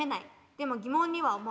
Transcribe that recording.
でも疑問には思う。